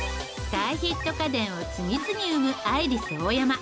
大ヒット家電を次々生むアイリスオーヤマ。